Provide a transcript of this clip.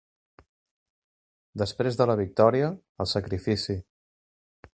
Després de la victòria, el sacrifici.